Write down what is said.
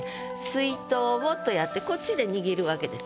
「水筒を」とやってこっちで握るわけです。